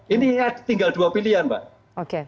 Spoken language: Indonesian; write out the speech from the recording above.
ini tinggal dua pilihan pak